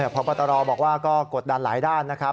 พบตรบอกว่าก็กดดันหลายด้านนะครับ